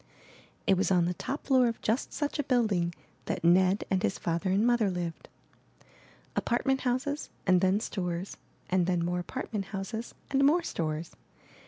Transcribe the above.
It was on the top floor of just such a building that Ned and his father and mother lived. Apartment houses and then stores, and then more apartment houses and more stores.